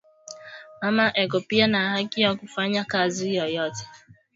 Mama eko piya na haki ya ku fanya kazi yoyote